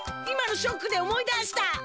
今のショックで思い出した！